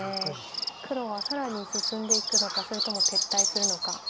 黒は更に進んでいくのかそれとも撤退するのか。